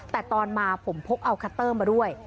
แต่ตอนมาผมพกเอาคัตเตอร์มาด้วย